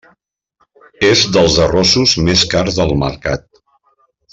És dels arrossos més cars del mercat.